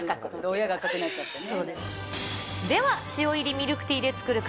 親が赤くなっちゃってね。